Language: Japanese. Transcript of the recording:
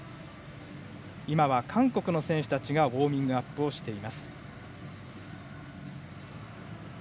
今は韓国の選手たちがウォーミングアップしています。